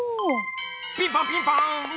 ピンポンピンポン！